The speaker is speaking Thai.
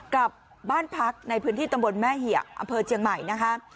กับบ้านพักในพื้นที่ตำบลแม่เหียกอำเภอเจียงใหม่นะคะ